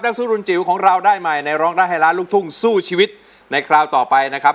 สู้รุนจิ๋วของเราได้ใหม่ในร้องได้ให้ล้านลูกทุ่งสู้ชีวิตในคราวต่อไปนะครับ